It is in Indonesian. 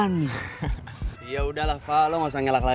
nggak ada waktunya